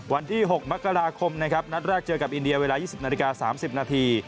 วันที่๖มกราคมนะครับนัดแรกเจอกับอินเดียเวลา๒๐นาฬิกา๓๐นาที